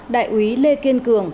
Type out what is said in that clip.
đại úy lê kiên cường